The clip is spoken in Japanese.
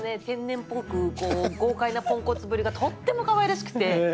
天然っぽく豪快なポンコツぶりがとってもかわいらしくて。